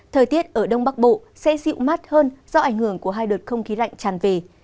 thời tiết ở đông bắc bộ sẽ dịu mát hơn do ảnh hưởng của hai đợt không khí lạnh tràn về